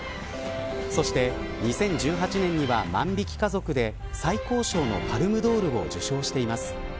そして２０１８年には万引き家族で最高賞のパルムドールを受賞しています。